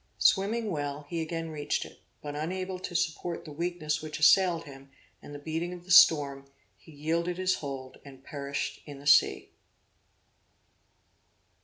Swimming well he again reached it; but unable to support the weakness which assailed him, and the beating of the storm, he yielded his hold and perished in the sea.